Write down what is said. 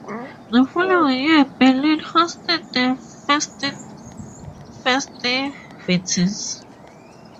The following year, Berlin hosted the festivities.